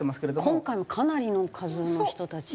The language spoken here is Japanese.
今回もかなりの数の人たち。